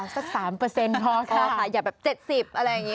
สัก๓พอค่ะอย่าแบบ๗๐อะไรอย่างนี้